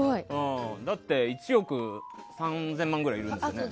だって１億３０００万くらいいるでしょ。